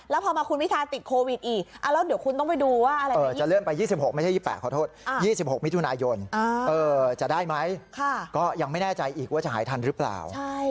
แล้วพอมาคุณพิธาติดโควิดอีกแล้วเดี๋ยวคุณต้องไปดูว่าอะไร